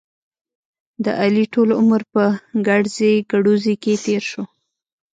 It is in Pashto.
د علي ټول عمر په ګړزې ګړوزې کې تېر شو.